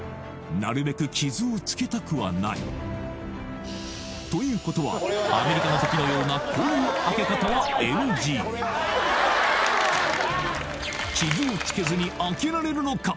なるべく傷をつけたくはないということはアメリカの時のようなこういう開け方はＮＧ傷をつけずに開けられるのか？